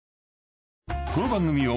［この番組を］